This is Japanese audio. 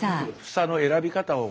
房の選び方を。